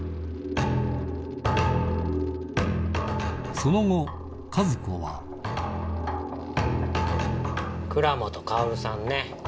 その後和子は倉本かおるさんね。